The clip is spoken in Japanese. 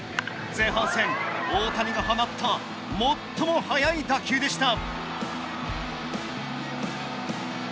前半戦大谷が放った最も速い打球でした。